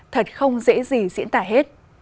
thật không dễ gì diễn tả hết